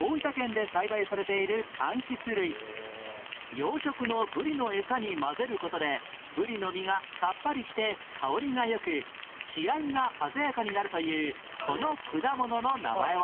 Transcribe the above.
養殖のブリのエサに混ぜる事でブリの身がさっぱりして香りが良く血合いが鮮やかになるというこの果物の名前は？